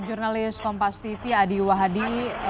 jurnalis kompas tv adi wahadi